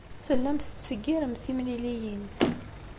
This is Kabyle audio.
Tellamt tettseggiremt timliliyin.